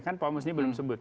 kan pak musy belum sebut